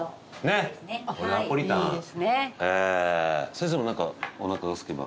先生もなんかおなかがすけば。